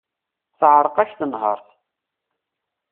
Teεreq-ak tenhert.